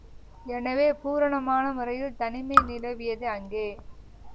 எனவே பூரணமான முறையில் தனிமை நிலவியது அங்கே.